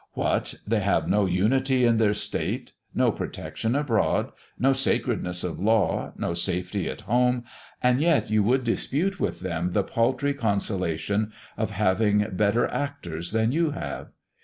What, they have no unity in their states, no protection abroad, no sacredness of law, no safety at home, and yet you would dispute with them the paltry consolation of having better actors than you have!